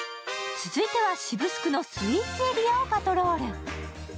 続いては渋スクのスイーツエリアをパトロール。